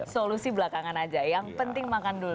solusi belakangan aja yang penting makan dulu